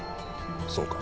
そうか。